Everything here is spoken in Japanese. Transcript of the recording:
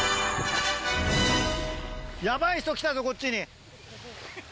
ヤバい人来たぞこっちに。